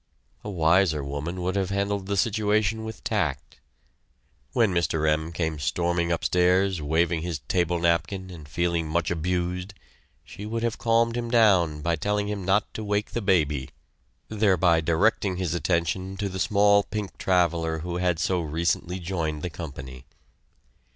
A wiser woman would have handled the situation with tact. When Mr. M. came storming upstairs, waving his table napkin and feeling much abused, she would have calmed him down by telling him not to wake the baby, thereby directing his attention to the small pink traveler who had so recently joined the company.